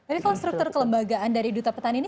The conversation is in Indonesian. tapi konstruktur kelembagaan dari duta petani ini